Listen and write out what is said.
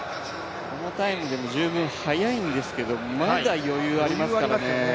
このタイムでも十分速いんですけれども、まだ余裕がありますからね。